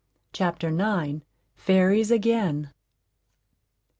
CHAPTER IX. FAIRIES AGAIN.